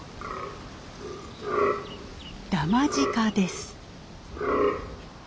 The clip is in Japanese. ダマジカです。